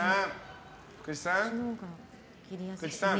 福地さん。